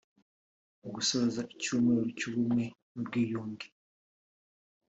Mu gusoza icyumweru cy’Ubumwe n’Ubwiyunge